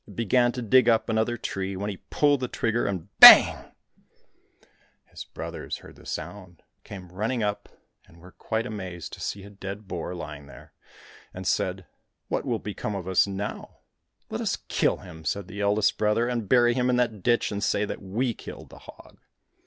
It began to dig up another tree, when he pulled the trigger and — bang ! His 167 COSSACK FAIRY TALES brothers heard the sound, came running up, were quite amazed to see a dead boar lying there, and said, " What will become of us now ?"—'* Let us kill him," said the eldest brother, " and bury him in that ditch, and say that we killed the hog."